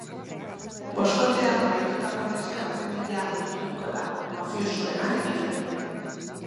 Boskotea bahitutako neska baten bila ibiliko da, mafiosoena egiten.